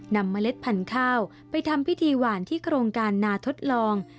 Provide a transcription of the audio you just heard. เมล็ดพันธุ์ข้าวไปทำพิธีหวานที่โครงการนาทดลอง